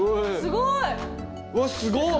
すごい！